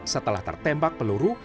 setelah tertembak peluru